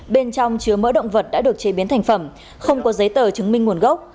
bên trong chứa mỡ động vật đã được chế biến thành phẩm không có giấy tờ chứng minh nguồn gốc